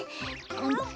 あむ。